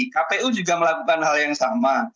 kpu juga melakukan hal yang sama